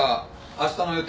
明日の予定？